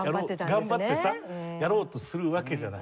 頑張ってさやろうとするわけじゃない。